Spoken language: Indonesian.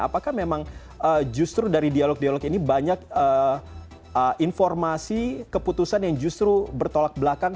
apakah memang justru dari dialog dialog ini banyak informasi keputusan yang justru bertolak belakang